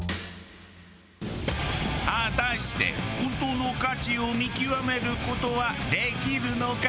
果たして本当の価値を見極める事はできるのか？